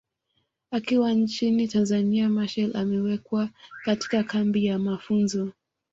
Akiwa nchini Tanzania Machel aliwekwa katika kambi ya mafunzo